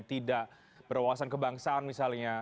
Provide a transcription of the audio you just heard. tidak berwawasan kebangsaan misalnya